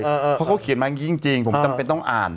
เพราะเขาเขียนมาอย่างนี้จริงผมจำเป็นต้องอ่าน